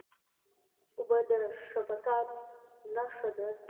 اوبه د شفقت نښه ده.